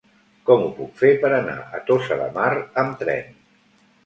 Com ho puc fer per anar a Tossa de Mar amb tren?